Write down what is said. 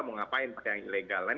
mau ngapain pakai yang ilegal lain